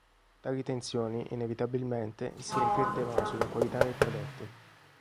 Tali tensioni, inevitabilmente, si riflettevano sulla qualità dei prodotti.